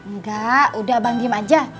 nggak udah abang diem aja